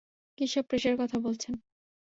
কিসব প্রেশারের কথা বলছেন?